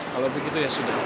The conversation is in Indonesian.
kalau begitu ya sudah